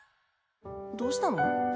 どうしたの？